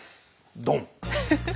ドン。